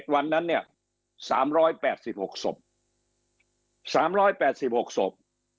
๗วันนั้นเนี่ย๓๘๖สม๓๘๖สม